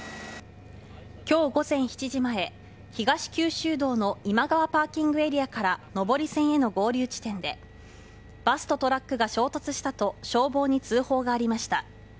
今日午前７時前東九州道の今川パーキングエリアから上り線への合流地点でバスとトラックが衝突したと消防に通報がありました。